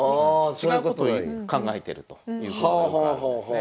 違うこと考えてるということがよくあるんですね。